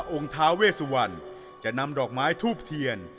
ท้าเวสวันจะนำดอกไม้ทูบเทียน